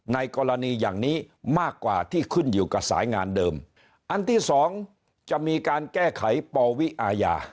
ในกรณีอย่างนี้มากกว่าที่ขึ้นอยู่กับสายงานเดิมอันที่สองจะมีการแก้ไขปวิอาญา